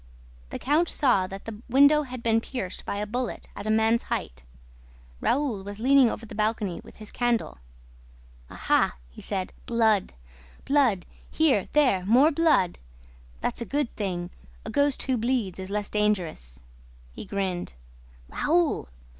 The count saw that the window had been pierced by a bullet at a man's height. Raoul was leaning over the balcony with his candle: "Aha!" he said. "Blood! ... Blood! ... Here, there, more blood! ... That's a good thing! A ghost who bleeds is less dangerous!" he grinned. "Raoul!